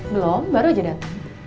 belum baru aja dateng